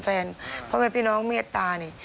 เพราะว่าพี่น้องเมียตานี่